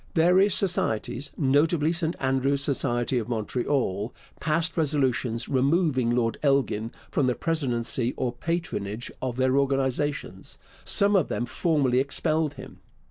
Various societies, notably St Andrew's Society of Montreal, passed resolutions removing Lord Elgin from the presidency or patronage of their organizations; some of them formally expelled him.